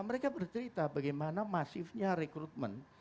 mereka bercerita bagaimana masifnya rekrutmen